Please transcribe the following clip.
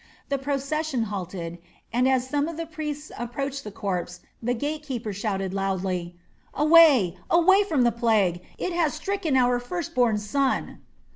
The procession halted, and as some of the priests approached the corpse the gate keeper shouted loudly: "Away, away from the plague! It has stricken our first born son."